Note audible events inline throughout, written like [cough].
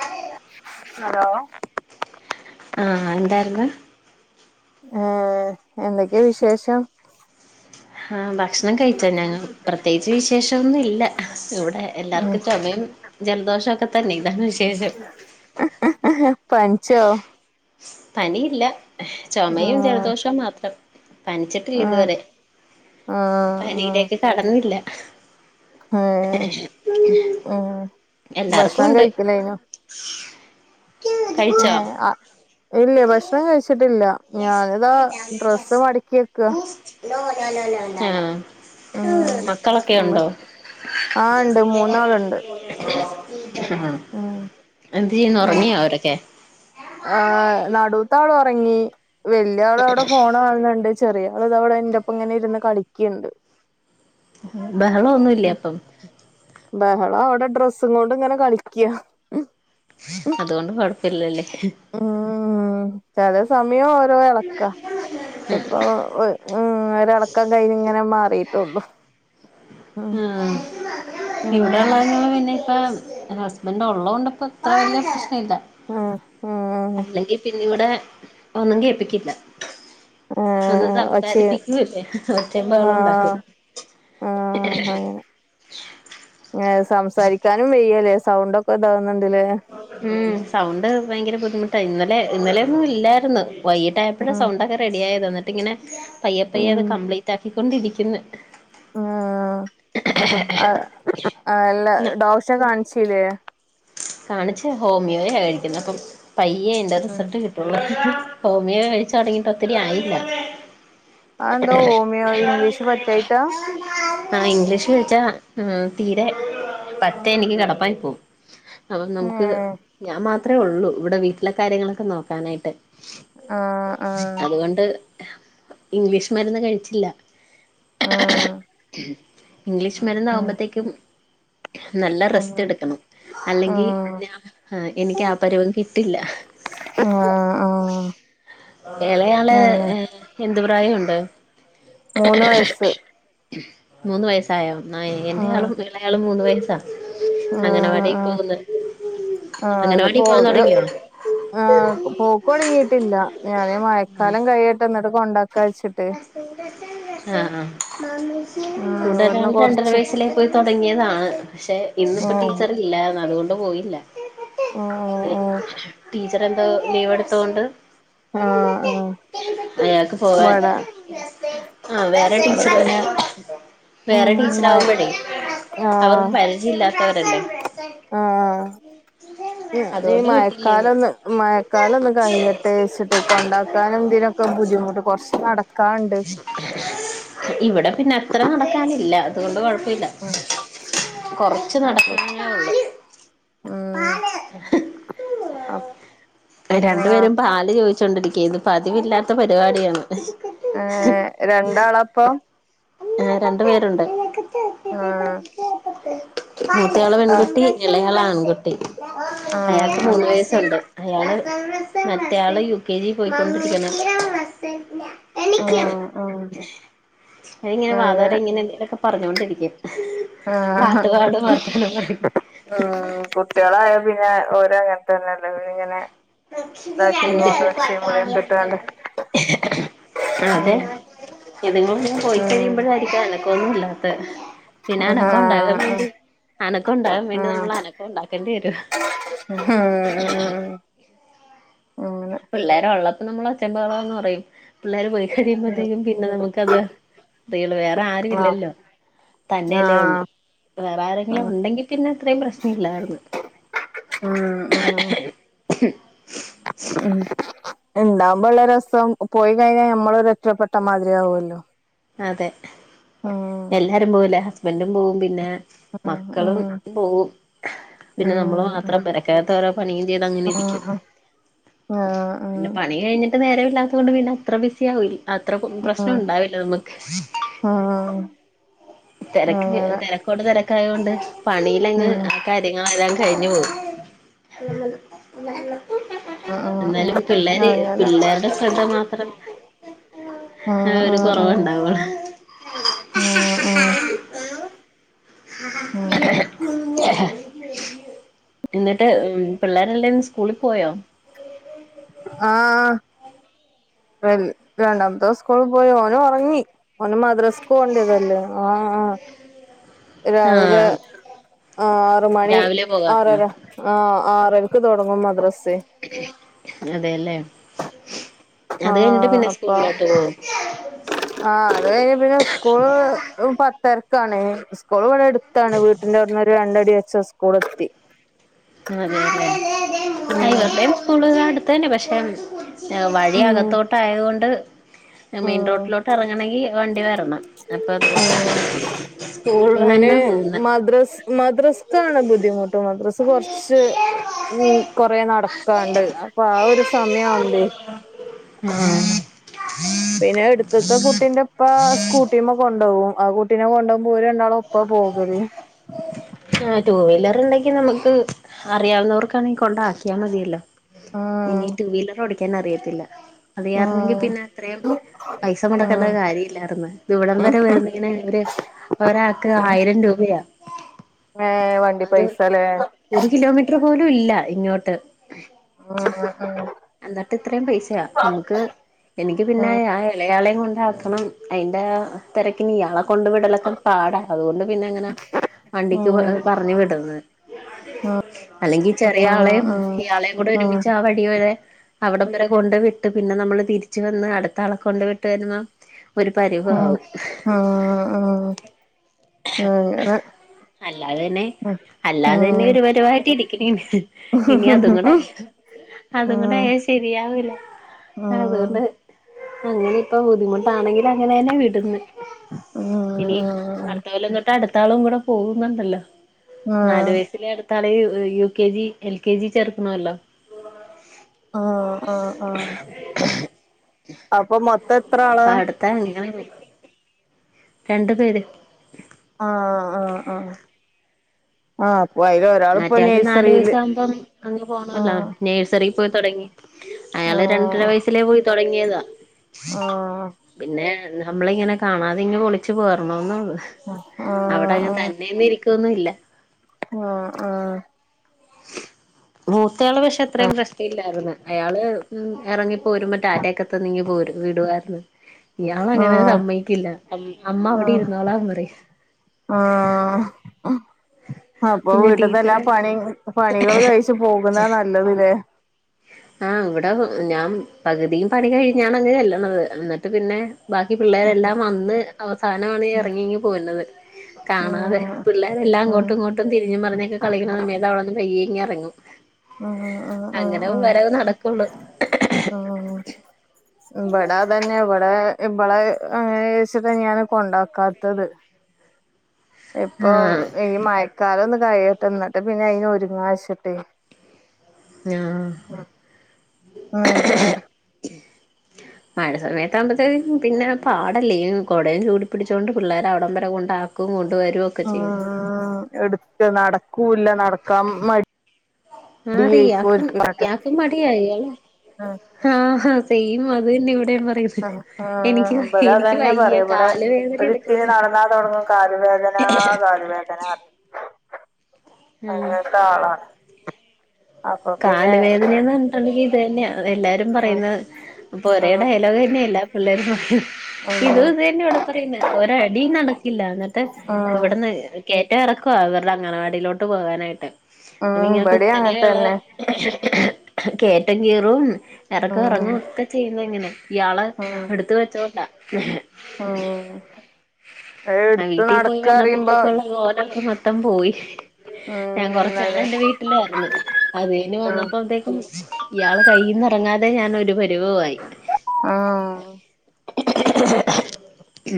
അതേതാ ഹലോ ആഹ് എന്തായ്ര്ന്ന് ഏ എന്തൊക്കെ വിശേഷം ആ ഭക്ഷണം കഴിച്ചാ ഞങ്ങൾ പ്രത്യേകിച്ച് വിശേഷമൊന്നും ഇല്ല ഇവിടെ എല്ലാർക്കും ചൊമയും ജലദോഷോക്കെതന്നെ ഇതാണ് വിശേഷം പന്ച്ചോ പനിയില്ല ചൊമയും ആഹ് ജലദോഷും മാത്രം പനിച്ചിട്ടില്ല ആഹ് ഇതുവരെ ആഹ് പനിയിലേക്ക് കടന്നില്ല ആഹ് ആഹ് എല്ലാർക്കും ഭക്ഷണം ഉണ്ട് കഴിക്കലായിനോ ഏ കഴിച്ചോ ആ ഇല്ലേ ഭക്ഷണം കഴിച്ചിട്ടില്ല. ഞനിതാ ഡ്രസ്സ് മടക്കിവെക്ക. ആ മക്കളൊക്കെ ഉം ഉണ്ടോ? ആഹ് ഇണ്ട് മൂന്നാളുണ്ട് ആഹ് ഉം എന്തയ്യുന്നു ഒറങ്ങിയോ അവരൊക്കെ? ആ നടൂത്താള് ഒറങ്ങി വല്യാൾ അഒടെ ഫോൺ കാണ്ന്ന്ണ്ട്. ചെറിയാള്താ ഇവടെ ഇന്റപ്പം ഇങ്ങനെ ഇര്ന്ന് കളിക്കിണ്ട്. ബെഹള ഒന്നുല്ലേ അപ്പം? ബെഹളം അഒടെ ഡ്രസ്സ് കൊണ്ട് ഇങ്ങനെ കളിക്ക. അതുകൊണ്ട് കൊഴപ്പല്ലല്ലേ. ഉം ചെല സമയം ഓരോ എളക്ക ഇപ്പോ വ് ഉം ഒരളക്കം കഴിഞ്ഞ് ഇങ്ങനെ മാറീട്ടള്ളു. ഉം ഉം ഇവിടെള്ള പിന്നെ [unintelligible] എന്റെ ഹസ്ബൻഡ് ഉള്ളോണ്ട് ഇപ്പം ഇത്ര വല്യ പ്രശ്ന ഇല്ല ആഹ് ആഹ് അല്ലങ്കി പിന്നെ ഇവിടെ ഒന്നും കേൾപ്പിക്കില്ല. ഒന്ന് ആഹ് ഒച്ചെ സംസാരിപ്പിക്കൂല്ലേ ഒച്ചിം ബഹളോം ഉണ്ടാക്കി ആ അങ്ങനെ ഏ സംസാരിക്കാനും വെയ്യല്ലേ സൗണ്ടക്കെ ഇതാവുന്ന്ണ്ട്ല്ലേ? ഉം സൗണ്ട് ഭയങ്കര ബുദ്ധിമുട്ട ഇന്നലെ ഇന്നലെന്നും ഇല്ലായിരുന്നു വൈകി ട്ടായപ്പഴ ഉം സൗണ്ടക്കെ റെഡി ആയത് എന്നിട്ട് ഇങ്ങനെ പയ്യേ പയ്യേ അത് കംപ്ലീറ്റ് ആക്കിക്കൊണ്ടിരിക്ക്ന്ന്. [unintelligible] എല്ല ടോശ കാൺച്ചില്ലേ? കാണിച്ച് ഹോമിയോയ കഴിക്കുന്നേ അപ്പം പയ്യെ അയിന്റെ റിസൾട്ട് കിട്ടുള്ള. ഹോമിയോ കഴിച്ച് തൊടങ്ങിട്ട് ഒത്തിരി ആയില്ല. അഹന്താ ഹോമിയോ ഇംഗ്ലീഷ് പറ്റിയായിട്ടാ? ആ ഇംഗ്ലീഷ് കഴിച്ചാ ഉം തീരെ പറ്റേ എനിക്ക് കടപ്പായി പോവും. അപ്പം നമുക്ക് ഏഹ് ഞാൻ മാത്രേ ഉള്ളു ഇവടെ വീട്ടിലെ കാര്യങ്ങളൊക്കെ നോക്കാനായിട്ട്. ആഹ് ആഹ് അതുകൊണ്ട് ഇംഗ്ലീഷ് മര്ന്ന് കഴിച്ചില്ല. ആഹ് ഇംഗ്ലീഷ് മരുന്ന് ഉം ആകുമ്പത്തേക്കും നല്ല റെസ്റ്റ് ഉം എടുക്കണം. അല്ലെങ്കി ഉം ആ എനിക്ക് ആ പരുവം കിട്ടില്ല. ആഹ് എളയാള് ഉം ഏ എന്ത് പ്രായംണ്ട്? മൂന്ന് വയസ്സ്. മൂന്ന് വയസ്സായോ ന ഉം എന്റെയാളും ഇളയാളും മൂന്ന് വയസ്സാ. ആഹ് അംഗനവാടി അഹ് പോകുന്നു ആഹ് ആത് അംഗനവാടി പോകാൻ പോകല. തുടങ്ങിയോ ആ പോക്ക് തൊടങ്ങിയിട്ടില്ല ഞാന് മഴക്കാലം കൈയ്യട്ടേ ഇന്നട്ട് കൊണ്ടാക്കാ വെച്ചി ആഹ് ആഹ് ഉം കൂട ഇവിടുന്ന് ഒരാൾ രണ്ടര കൊറച്ച് വയസ്സില് പോയി തൊടങ്ങിയതാണ് പക്ഷേ ഇന്ന്പ്പം ഉം ടീച്ചർ ഇല്ലാന്ന അതുകൊണ്ട് പോയില്ല. ഉം ഉം ഉം [unintelligible] ടീച്ചറ് എന്തോ ലീവ് എടുത്തോണ്ട് ആഹ് ആഹ് അയാക്ക് പോവാൻ ഇവടെ ആ വേറെ ഇവടെ ടീച്ചർ പിന്നെ വേറെ ഉം ടീച്ചർ മഴ ആകുമ്പഴേ ആഹ് അവർക്ക് പരി ജില്ലാത്തവരല്ലേ ആഹ് ഞാന് അതുകൊണ്ട് വിട്ടില്ലേനു മഴക്കാലൊന്ന് മഴക്കാല ഒന്ന് കൈയ്യട്ടേച്ചി കൊണ്ടാക്കാനും ഇതിനൊക്കെ ബുദ്ധിമുട്ട് കൊറച്ച് നടക്കാൻ ഉണ്ട് ഇവിടെ പിന്നെ അത്ര നടക്കാനില്ല അതുകൊണ്ട് കുഴപ്പവില്ല ഉം കൊറച്ച് അപ്പൊ നടക്കാനെ ഉള്ളു ഉം ആ രണ്ട് പേരും പാല് ചോ ച്ചോണ്ടിരിക്കയാ ഇന്ന് പതിവില്ലാത്ത പരിപാടിയാണ്. ഏ രണ്ടാളാ അപ്പം ആഹ് രണ്ട് പേരുണ്ട് ആ മൂത്തയാള് ആ പെൺകുട്ടി ഇളയാള് ആൺകുട്ടി ആ ആ അയാൾക്ക് മൂന്ന് ആ വയസ്സുണ്ട് അയാള് മറ്റേ ആള് യു കെ ജിയിൽ പോയിക്കൊണ്ടിരിന്ന് അതിങ്ങനെ ആ വാതോരെ ഇങ്ങനെ എന്തേലുമൊക്കെ പറഞ്ഞോണ്ടിരിക്കും ആ പാട്ട് പാടും വർത്താനം പറയും ഉം കുട്ടികളായ പിന്നെ ഓരോ അങ്ങനത്തെ തന്നെയല്ലോ ഇങ്ങനെ ഇതാക്കിയും കൊണ്ട് ഒച്ചയും ബഹളവുമൊക്കെ ഇട്ടോണ്ട് അതെ ഇതുങ്ങള് ഇനി പോയി ഉം കഴിയുമ്പോഴായിരിക്കും അന ക്കവൊന്നുമില്ലാത്തത് പിന്നെ ആ അനക്കം ഉണ്ടാകാൻ വേണ്ടി ആ അനക്കം ഉണ്ടാകാൻ വേണ്ടി നമ്മൾ അനക്കം ഉണ്ടാക്കേണ്ടി വരും ഹം പിള്ളേര് ഒള്ളപ്പം നമ്മള് ഒച്ചയും ബഹളവാന്ന് പറയും പിള്ളേര് പോയി കഴിയുമ്പോത്തേക്കും പിന്നെ നമുക്കത് ഇതേയുള്ളു വേറെ ആരും ആ ഇല്ലല്ലോ ആ തന്നെയല്ലേ ഉള്ളു വേറെ ആരെങ്കിലും ഉണ്ടെങ്കി പിന്നെ അത്രേയും പ്രശ്നം ഇല്ലായിരുന്നു ആഹ് ആഹ് [inaudible] ഉം ഉണ്ടാവുമ്പോ ഉള്ള രസം പോയി കഴിഞ്ഞാൽ നമ്മളൊരു ഒറ്റപ്പെട്ട മാതിരിയാവൂല്ലോ അതെ ആഹ് എല്ലാരും പോവൂലേ ഹസ്ബൻഡും പോവും പിന്നെ ഉം മക്കളും ഉം പോവും പിന്നെ ഉം നമ്മള് ഉം മാത്രം പെരക്കകത്ത് ഓരോ പണിയും ചെയ്ത് അങ്ങനെ ഇരിക്കും ആഹ് പിന്നെ പണി കഴിഞ്ഞിട്ട് നേരവില്ലാത്ത കൊണ്ട് പിന്നെ അത്ര ബിസി ആവൂ അത്ര പ്രശ്നം ഉണ്ടാവില്ല നമ്മക്ക് ആഹ് തിരക്ക് തിരക്കോട് തിരക്കായത് കൊണ്ട് പണിയിലങ്ങ് കാര്യങ്ങളെല്ലാം കഴിഞ്ഞ് പോയി എന്നാലും പിള്ളേര് അങ്ങനെ പിള്ളാരുടെ ശ്രദ്ധ മാത്രം ഉം ആഹ് ഒരു കുറവുണ്ടാവൂള്ളൂ ആഹ് ആഹ് [inaudible] ഉം എന്നിട്ട് പിള്ളേരെല്ലാം സ്കൂളിൽ പോയോ ആഹ് വൻ രണ്ടാമത്തവൻ സ്കൂളിൽ പോയി ഓന് ഉറങ്ങി ഓന് മദ്രസക്ക്‌ പോകണ്ടതല്ലേ ആഹ് ആഹ് രാവിലെ ആഹ് ആറ് മണി രാവിലെ പോകാറുണ്ടോ ആറര ആഹ് ആറരക്ക് തുടങ്ങും മദ്രസയെ അതെയല്ലേ അത് ആ കഴിഞ്ഞിട്ട് പിന്നെ അപ്പൊ സ്കൂളിലോട്ട് പോവും ആഹ് അത് കഴിഞ്ഞ പിന്നെ സ്കൂള് പത്തരക്കാണ് സ്കൂള് ഇവിടെ അടു ത്താണ് വീട്ടിന്റെട്ന്ന് ഒരു രണ്ടടി വെച്ച സ്കൂളെത്തി. അതെല്ലെ ഇവരുടെയും സ്കൂള അടുത്ത തന്നെ പക്ഷെ [unintelligible] വഴി ഉം അകത്തോട്ട് ആയതോണ്ട് മെയിൻ ഉം റോട്ടിലോട്ട് എറങ്ങണെങ്കി വണ്ടി വരണം. അപ്പൊ ഉം സ്കൂൾ ഇവന് അന്ന പോകുന്ന. മദ്രസ്. മദ്രസ്ക്കാണ് ബുദ്ധിമുട്ട് മദ്രസ്. കൊറച്ച് ഉം കൊറെ നടക്കാണ്ട് അപ്പൊ ആ ഒരു സമയാവുമ്പേ [unintelligible] ആഹ് പിന്നെ എടുത്തത്തെ കുട്ടീന്റെ ഇപ്പ സ്കൂട്ടിമ്മ കൊണ്ടോകും ആ കുട്ടിനെ കൊണ്ടോകുമ്പോ ഓര് രണ്ടാളും ഒപ്പ പോകല്. ആഹ് ടു വീലർ ഇണ്ടെങ്കി നമുക്ക് അറിയാവുന്നവർക്കാണെങ്കിൽ കൊണ്ട ആക്കിയാൽ മതിയല്ലോ. ഇനി ഉം ടു വീലർ ഓടിക്കാൻ അറിയത്തില്ല അറിയാർന്നെങ്കി ഉം പിന്നെ. ഇത്രയും പൈസ മുടക്കേണ്ട കാര്യം ഇല്ലായിരുന്നു ഇവിടം ഉം വരെ വരുന്നന് അവര്. ഒരാൾക്ക് ആയിരം രൂപയാ. ഏഹ് വണ്ടി അത് പൈസല്ലേ. ഒരു കിലോമീറ്റർ പോലും ഇല്ല ഇങ്ങോട്ട്. അങ്ങനെ എന്നിട്ട് ഇത്രയും പൈസയാ നമുക്ക്. എനിക്ക് പിന്നെ ആ ഇളയാളെയും കൊണ്ടാക്കണം അയിന്റെ തിരക്കിന് ഇയാളെ കൊണ്ട് വിടലൊക്കെ. പാടാ അതുകൊണ്ട് പിന്നെ ങ്ങനെ വണ്ടിക്ക് പറ പറഞ്ഞു വിടന്നത്. അല്ലെങ്കി ചെറിയ ആളെയും ഇയാളെയും കൂടെ ഒരുമിച്ച് ആ വഴി. ഇവരെ അവിടം വരെ കൊണ്ട് വിട്ട് പിന്നെ നമ്മള് തിരിച്ച് വന്ന് അടുത്ത ആളെ കൊണ്ട് വിട്ടു വരുമം. ഒരു പരുവ ആവും. ആഹ് അങ്ങനെ. അല്ലാതെ പിന്നെ. അല്ലാതെ തന്നെ ഒരു പരുവായിട്ട് ഇരിക്കണേണ് ഇനി അതും കൂടെ. അതും കൂടെ ആയ ശെരിയാവില്ല അതുകൊണ്ട്. അങ്ങനെ ഇപ്പൊ ബുദ്ധിമുട്ടാണെങ്കിലും അങ്ങനെ തന്നെ വീട്ന്നെ ഇനി. അടുത്ത കൊല്ലം തൊട്ട് അടുത്താളും കൂടെ പോകുന്നുണ്ടല്ലോ നാലു വയസ്സിലെ അടു ത്താളേ U K G L K G ൽ ചേർക്കണല്ലോ. ആഹ് ആഹ് ആഹ് അപ്പം മൊത്തം എത്ര ആളാ. തിക്ക [unintelligible] രണ്ടു പേര്. ആഹ് ആഹ് ആഹ് ആഹ് അപ്പൊ അയില്. മറ്റേയാൾക്ക് നാല് വയസ് ആകുമ്പം അങ്ങ് ആ പോണല്ലോ. നേഴ്സറിൽ പോയി തുടങ്ങി ആ അയാള് രണ്ടര വയസ്സിലേ പോയി തുടങ്ങിയതാ. ആ പിന്നെ നമ്മളിങ്ങനെ കാണാതെ ഇങ്ങ് ഒളിച്ചു പോരണോന്നള്ളു. ആ ആ അവിടെ അങ്ങനെ ആ തന്നെയൊന്നും ഇരിക്കുവൊന്നും ഇല്ല. ആഹ് ആഹ്. മൂത്തയാള് പക്ഷെ അത്രയും പ്രശ്നയില്ലായിരുന്നു അയാള് ഉം എറങ്ങി. പോരുമ്പം ടാറ്റയൊക്കെ തന്ന് ഇങ്ങ് പോരു വിടുവായിരുന്നു. ഇയാള് അങ്ങനെ സമ്മയ്ക്കില്ല അമ് അമ്മ അവിടെ ഇരുന്നോളാൻ പറയും. ആഹ് അപ്പൊ പിന്നെ വീട്ടിത്തെ എല്ലാ ടീച്ചറെ പണിം പണികൾ കഴ്ച്ച് പോകുന്നതാ നല്ലത് ലെ. ആഹ് വിടെ ഞാൻ പകുതിയും പണി കഴിഞ്ഞാണ് അങ്ങ് ചെല്ലണത് എന്നിട്ട് പിന്നെ. ബാക്കി പിള്ളേരെല്ലാം വന്ന് അവസാനമാണ് ഇറങ്ങി ഇങ്ങ് പോരുന്നത് കാണാതെ ഉം പിള്ളേരെല്ലാം ഉം ങ്ങോട്ടും ഇങ്ങോട്ടും തിരിഞ്ഞും മറിഞ്ഞൊക്കെ കളിക്കുന്ന സമയത്ത് അവിട്ന്ന് പയ്യെ ഇങ്ങ് എറങ്ങും ഉം ഉം ഉം അങ്ങനെ ഉം അങ്ങനെ നടക്കൊള്ളൂ ഉം വ്ടെ അതെന്നെ വ്ടെ ഇബളെ അങ്ങനെ ആകും വിചാരിച്ചിട്ട് ഞാൻ കൊണ്ടാക്കാത്തത് ഇപ്പൊ ആഹ് ഈ മഴക്കാലം ഒന്ന് കഴ്യട്ടെ എന്നിട്ട് പിന്നെ അയിന് ഒരുങ്ങാച്ചട്ടെ ആഹ് അങ്ങനെ മഴ സമയത്ത് ആകുമ്പോഴ്ത്തിനും പിന്നെ പാടല്ലേ കുടേയും ചൂടി പിടിച്ചുകോണ്ട് പിള്ളേർ അവിടം വരെ കൊണ്ട ക്കും കൊണ്ടുവരൊക്കെ ചെയ്യും ഉം എടുക്ക നടക്കൂല്ല നടക്കാൻ മടിയേയ്ക്കും ഓല്ക്ക് മടിയായി ആഹ് ആഹ് സെയിം അതെന്നെ ഇവിടെ പറയും ആഹ് ആഹ് ബ്ടെ അതന്നെ പറയും ബ്ടെ കാല് വേദന ഒരുത്തിരി എടുക്കുന്നുണ്ട് നടന്നാ തൊടങ്ങും കാലുവേദനാ കാലുവേദനാ അറയും ആഹ് അങ്ങനത്തെ ആളാണ് അപ്പൊ പിന്നെ കാല് വേദനയെന്ന് പറഞ്ഞിട്ടുണ്ടെങ്കിൽ ഇത് തന്നെയ എല്ലാരും പറയുന്ന പ്പോ ഒരേ ഉം ഡയലോഗ് തന്നെയെല്ലാ പിള്ളേരും ഉം ഇത് ഉം അത്‌ തന്നെ യാ പറയുന്ന ഒരു അടി നടക്കില്ല എന്നിട്ട് ഉം ഇവിടന്ന് കേറ്റ എർക്കൊവ ഇവരുടെ അംഗനവാടീലോട്ട് പോകാനായിട്ട് അപ്പ ഉം ഇങ്ങനെ ഇബടേം അങ്ങനെ കുത്തനെള്ള തന്നെ കേറ്റം കേറും എർക്കം ഉം എറങ്ങും ഒക്കെ ചെയ്യുന്ന ഇങ്ങനെ ഇയാള് എടുത്ത വെച്ചോണ്ടാ ആഹ് ആഹ് വീട്ടിൽ പോയി അറിയുമ്പോ വന്നപ്പോത്തേക്കുള്ള കോലം മൊത്തം പോയി ഞാൻ ഉം കൊറച്ചാള് അതെ എൻറെ വീട്ടിലായിന്ന് അത് കഴിഞ്ഞ് ഉം വന്നപ്പോ ത്തേക്കും ഇയാൾ കയ്യിന്ന് എറങ്ങാതെ ഞാനൊരു പരിവയി ആഹ്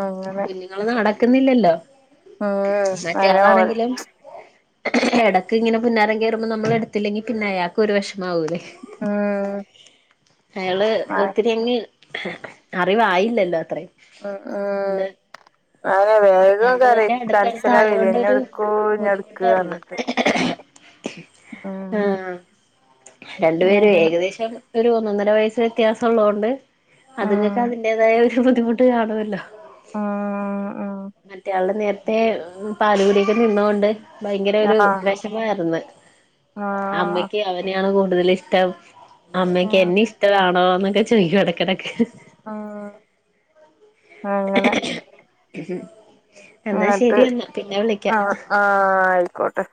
അങ്ങനെ കുഞ്ഞുങ്ങൾ നടക്കുന്നില്ലല്ലോ ഉം അനെ ഓൽ മറ്റേളാണെങ്കിലും എടയ്ക്ക് ഇങ്ങനെ പുന്നാരം കേറുമ്പോൾ നമ്മൾ എടുത്തില്ലെങ്കി പിന്നെ അയാൾക്ക് ഒരു വെശമാവൂല്ലേ ഉം അയാള് ഒത്തിരിയങ് അറിവായില്ലല്ലോ അത്രേ ആഹ് ആഹ് അതന്നെ വേഗം കറി രണ്ടുപേരുടെ അടുത്തടുത്ത് കരച്ചില്ല വെര ഇന്നലെ ആയോണ്ടൊരു എടുക്കൂ ഇന്ന എടുക്ക ബുദ്ധിമുട്ടായിരുന്നു പറഞ്ഞിട്ട് ഉം ആഹ് രണ്ടു പേരും അങ്ങനെ ഏകദേശം ഒരു ഒന്നൊന്നര വയസ്സ് വ്യത്യാസം ഉള്ളൊണ്ട് അതിങ്ങക്ക് ഉം അതിന്റേതായ ഒരു ബുദ്ധിമുട്ട് കാണുമല്ലോ ആഹ് ആഹ് മറ്റയാള നേരത്തെ പാലൂകുടിയൊക്കെ നിന്നൊണ്ട് ഭയങ്കര ഒരു ആഹ് വിഷമായിന്ന് ആഹ് അമ്മയ്ക്ക് അവനെയാണ് കൂടുതൽ ഇഷ്ടം അമ്മയ്ക്ക് ഉം എന്നെ ഇഷ്ടമാണോ എന്നൊക്കെ ചോയിക്കും എടക്ക് കെടക്ക ആഹ് അങ്ങനെ [inaudible] ഇങ്ങട്ട് ശരിയെന്നാ പിന്നെ വിളിക്കാം ആഹ് ആഹ് ആയിക്കോട്ടെ